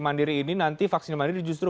mandiri ini nanti vaksin mandiri justru